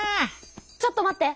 ちょっと待って！